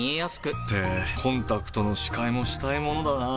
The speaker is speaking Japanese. ってコンタクトの視界もしたいものだなぁ。